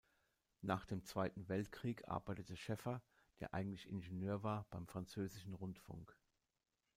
Nach dem Zweiten Weltkrieg arbeitete Schaeffer, der eigentlich Ingenieur war, beim französischen Rundfunk.